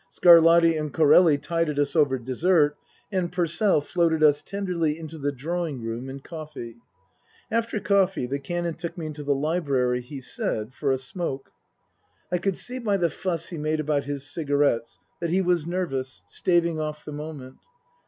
Scarlatti and Corelli tided us over dessert, and Purcell floated us tenderly into the drawing room and coffee. After coffee the Canon took me into the library (he said) for a smoke. I could see by the fuss he made about his cigarettes that he was nervous, staving off the moment.